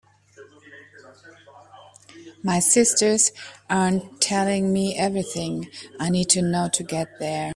My sisters aren’t telling me everything I need to know to get there.